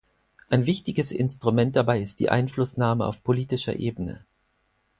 Ein wichtiges Instrument dabei ist die Einflussnahme auf politischer Ebene.